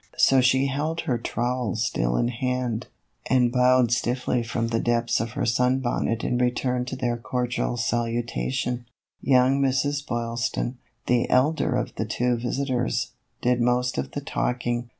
So she held her trowel still in hand, and bowed THE EVOLUTION OF A BONNET. 11$ stiffly from the depths of her sun bonnet in return to their cordial salutation. Young Mrs. Boylston, the elder of the two visit ors, did most of the talking.